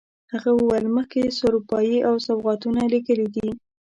هغه وویل مخکې سروپايي او سوغاتونه لېږلي دي.